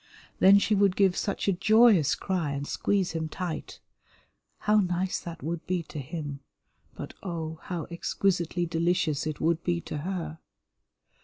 Then she would give such a joyous cry and squeeze him tight. How nice that would be to him, but oh, how exquisitely delicious it would be to her.